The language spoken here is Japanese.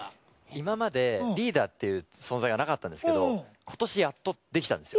今までリーダーっていう存在がなかったんですけど今年やっとできたんですよ。